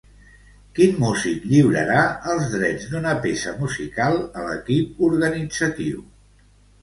Quin músic lliurarà els drets d'una peça musical a l'equip organitzatiu?